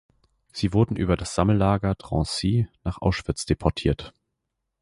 Sie wurden über das Sammellager Drancy nach Auschwitz deportiert.